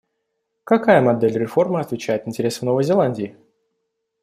Какая модель реформы отвечает интересам Новой Зеландии?